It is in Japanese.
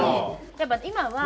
やっぱ今は。